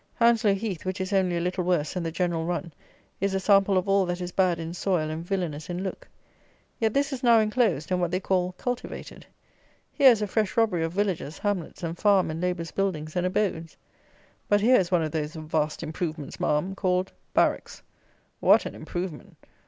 Hounslow heath, which is only a little worse than the general run, is a sample of all that is bad in soil and villanous in look. Yet this is now enclosed, and what they call "cultivated." Here is a fresh robbery of villages, hamlets, and farm and labourers' buildings and abodes! But here is one of those "vast improvements, Ma'am," called Barracks. What an "improvement!"